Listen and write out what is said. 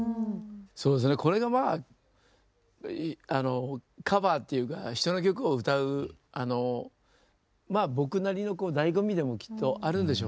そうですねこれがまあカバーっていうか人の曲を歌うあのまあ僕なりのだいご味でもきっとあるんでしょうね。